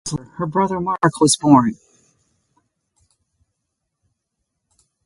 Two years later, her brother Mark was born.